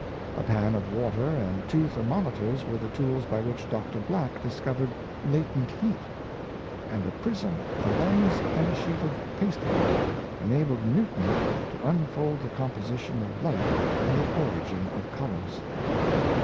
A pan of water and two thermometers were the tools by which Dr. Black discovered latent heat; and a prism, a lens, and a sheet of pasteboard enabled Newton to unfold the composition of light and the origin of colors.